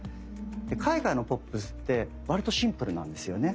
で海外のポップスってわりとシンプルなんですよね。